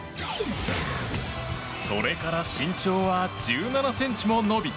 それから身長は１７ｃｍも伸び